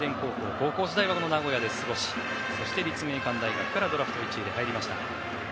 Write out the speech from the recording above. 高校時代は名古屋で過ごしそして、立命館大学からドラフト１位で入りました。